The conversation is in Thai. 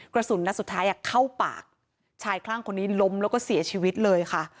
กระสุนนัดสุดท้ายเข้าปากชายคลั่งคนนี้ล้มแล้วก็เสียชีวิตเลยค่ะ